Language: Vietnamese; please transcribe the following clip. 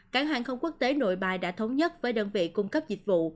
cảng hàng không quốc tế nội bài đã thống nhất với đơn vị cung cấp dịch vụ